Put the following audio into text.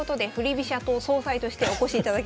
飛車党総裁としてお越しいただきました。